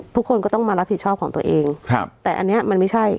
ทุกคนก็ต้องมารับผิดชอบของตัวเองครับแต่อันนี้มันไม่ใช่